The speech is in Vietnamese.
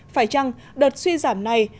phải chăng đợt suy giảm này